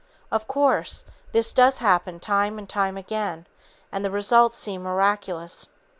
Of course, this does happen time and time again, and the results seem miraculous.